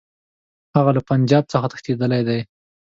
هغه له پنجاب څخه تښتېدلی دی.